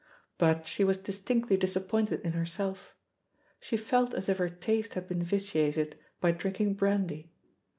But she was distinctly disappointed in herself. She felt as if her taste had been vitiated by drinking brandy.